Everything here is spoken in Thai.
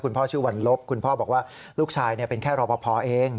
พ่อชื่อวันลบคุณพ่อบอกว่าลูกชายเป็นแค่รอปภเอง